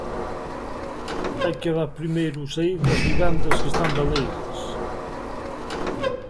Hai que dar primeiro saída ás vivendas que están baleiras.